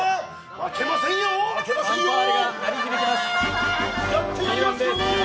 負けませんよー！